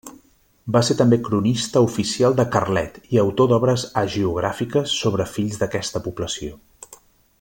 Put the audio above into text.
Va ser també cronista oficial de Carlet, i autor d'obres hagiogràfiques sobre fills d'aquesta població.